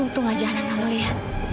untung aja anak kamu lihat